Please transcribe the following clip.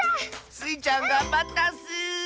スイちゃんがんばったッス！